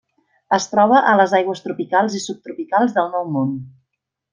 Es troba a les aigües tropicals i subtropicals del Nou Món.